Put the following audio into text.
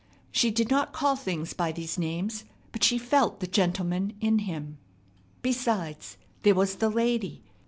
She did not call things by these names, but she felt the gentleman in him. Besides, there was the lady.